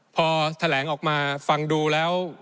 พอแถลงออกมาฟังดูแล้ว